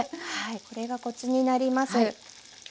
これがコツになります。